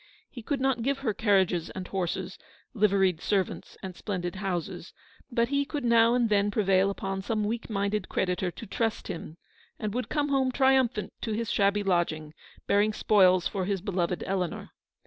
He could not give her carriages and horses, liveried servants and splendid houses, but he could now and then prevail upon some weak minded creditor to trust him, and would come home triumphant to his shabby lodging, bearing spoils for his beloved Eleanor.